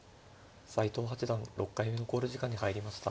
斎藤八段６回目の考慮時間に入りました。